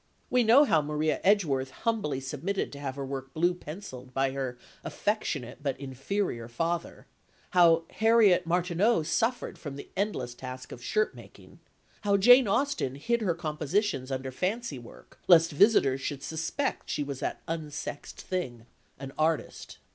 We know how Maria Edgworth humbly submitted to have her work blue pencilled by her affectionate but inferior father, how Harriet Martineau suffered from the endless task of shirt making, how Jane Austen hid her compositions under fancy work, lest visitors should suspect she was that unsexed thing, an artist.